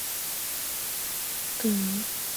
耿弇之弟耿国的玄孙。